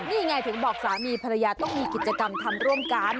นี่ไงถึงบอกสามีภรรยาต้องมีกิจกรรมทำร่วมกัน